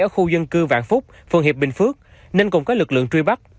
ở khu dân cư vạn phúc phường hiệp bình phước nên cùng các lực lượng truy bắt